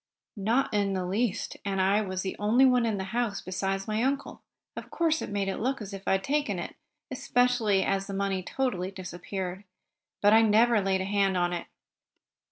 "Not in the least. And as I was the only one in the house, besides my uncle, of course it made it look as if I had taken it, especially as the money totally disappeared. But I never laid a hand on it."